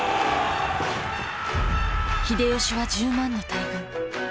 秀吉は１０万の大軍。